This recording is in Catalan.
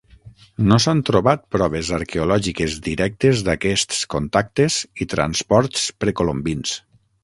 No s'han trobat proves arqueològiques directes d'aquests contactes i transports precolombins.